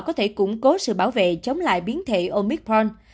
có thể củng cố sự bảo vệ chống lại biến thể omicron